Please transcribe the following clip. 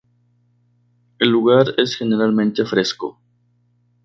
El lugar es generalmente fresco.